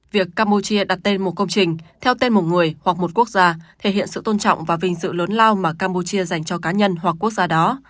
việc campuchia đặt tên một công trình theo tên một người hoặc một quốc gia thể hiện sự tôn trọng và vinh sự lớn lao mà campuchia dành cho cá nhân hoặc quốc gia đó